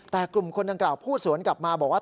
แต่กลุ่มคนดังกล่าวพูดสวนกลับมาบอกว่า